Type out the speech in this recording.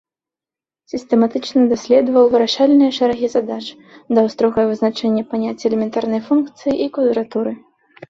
Сістэматычна даследаваў вырашальныя шэрагі задач, даў строгае вызначэнне паняцця элементарнай функцыі і квадратуры.